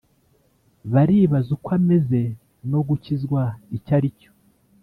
baribaz' ukw ameze no gukizw' icy'ari cyo.